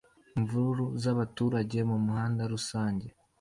Imvururu z’abaturage mu muhanda rusange